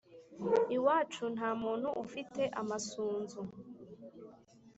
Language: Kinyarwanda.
«iwacu nta muntu ufite amasunzu,